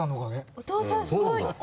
お父さんすごい！